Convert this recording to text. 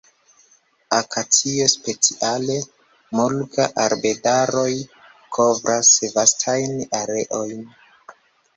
Akacio, speciale "mulga"-arbedaroj kovras vastajn areojn.